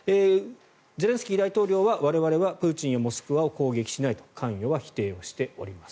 ゼレンスキー大統領は我々はプーチンやモスクワを攻撃しないと関与は否定しております。